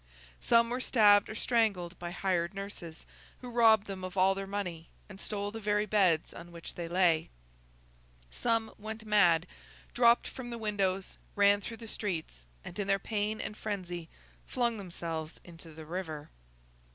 Some were stabbed or strangled by hired nurses who robbed them of all their money, and stole the very beds on which they lay. Some went mad, dropped from the windows, ran through the streets, and in their pain and frenzy flung themselves into the river.